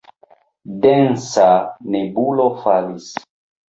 Densa nebulo falis.